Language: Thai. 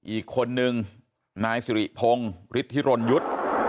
อีกคนนึงนายสิริพงศ์ฤทธิรณยุทธ์